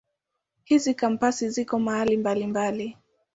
Hizi Kampasi zipo mahali mbalimbali.